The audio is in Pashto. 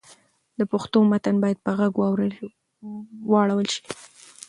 د پښتو متن باید په ږغ واړول شي.